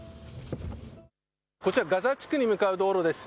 こちらガザ地区に向かう道路です。